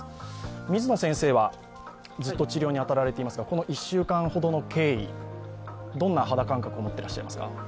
水野先生はずっと治療に当たられていますがこの１週間ほどの経緯、どんな肌感覚を持っていらっしゃいますか？